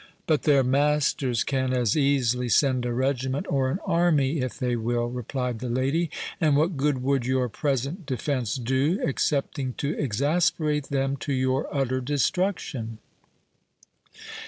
"But their masters can as easily send a regiment or an army, if they will," replied the lady; "and what good would your present defence do, excepting to exasperate them to your utter destruction?"